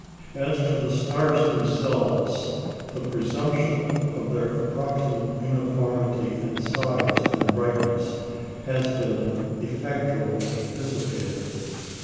As to the stars themselves, the presumption of their approximate uniformity in size and brightness has been effectually dissipated.